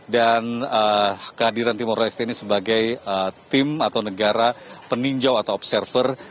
dan kehadiran timur leste ini sebagai tim atau negara peninjau atau observer